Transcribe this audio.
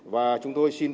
và chúng tôi xin tiếp thu